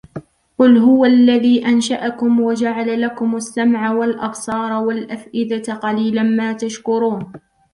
قل هو الذي أنشأكم وجعل لكم السمع والأبصار والأفئدة قليلا ما تشكرون